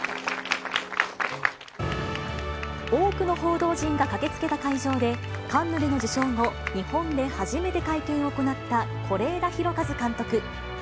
多くの報道陣が駆けつけた会場で、カンヌでの受賞後、日本で初めて会見を行った是枝裕和監督。